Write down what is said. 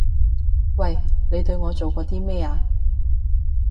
喂！你對我做過啲咩啊？